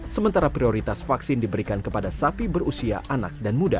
sementara prioritas vaksin diberikan kepada sapi berusia anak dan muda